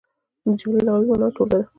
د جملې لغوي مانا ټولګه ده.